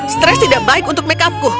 stres tidak baik untuk makeupku